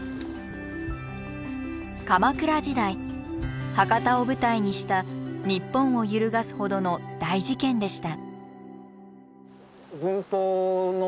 鎌倉時代博多を舞台にした日本を揺るがすほどの大事件でした。